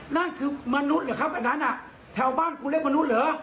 นั่นคือมนุษย์เหรอครับอันนั้นแถวบ้านกูเรียกมนุษย์เหรอ